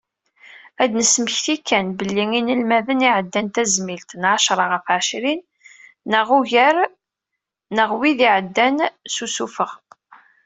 Ad d-nesmekti kan, belli inelmaden i yesɛan tazmilt n εecra ɣef εecrin neɣ ugar neɣ wid iɛeddan s usufeɣ.